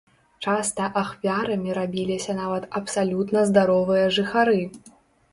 Часта ахвярамі рабіліся нават абсалютна здаровыя жыхары.